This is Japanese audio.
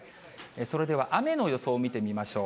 それでは雨の予想を見てみましょう。